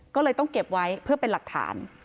ก็เลยต้องเก็บไว้เพื่อเป็นหลักฐาน